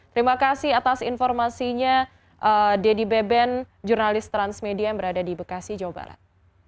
terima kasih atas informasinya deddy beben jurnalis transmedia yang berada di bekasi jawa barat